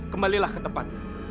kembalilah ke tempat